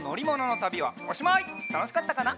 たのしかったかな？